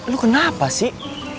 lo kenapa sih